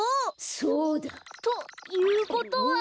そうだ！ということは！